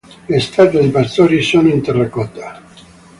Le statue di pastori sono in terracotta.